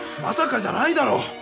まさかじゃないだろう！